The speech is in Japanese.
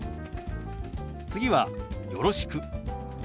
次は「よろしく」。